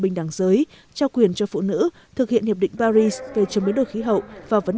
bình đẳng giới trao quyền cho phụ nữ thực hiện hiệp định paris về chống biến đổi khí hậu và vấn